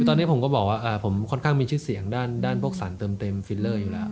ตอนนี้ผมก็บอกว่าผมค่อนข้างมีชื่อเสียงด้านพวกสารเติมเต็มฟิลเลอร์อยู่แล้ว